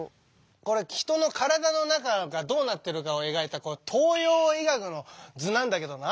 これ人の体の中がどうなってるかを描いた東洋医学の図なんだけどな。